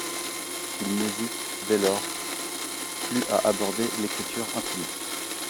Il n'hésite dès lors plus à aborder l'écriture intimiste.